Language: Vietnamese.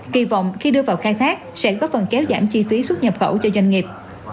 kỳ vọng khi đưa vào khai thác sẽ góp phần kéo giảm chi phí xuất nhập khẩu cho doanh nghiệp